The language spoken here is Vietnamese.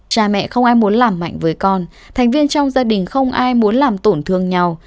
cha mẹ không ai muốn làm mạnh với con thành viên trong gia đình không ai muốn làm tổn thương nhau